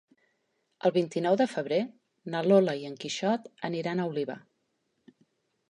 El vint-i-nou de febrer na Lola i en Quixot aniran a Oliva.